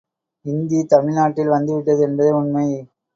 இந்தி தமிழ் நாட்டில் வந்துவிட்டது என்பதே உண்மை.